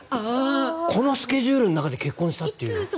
このスケジュールの中で結婚したっていう。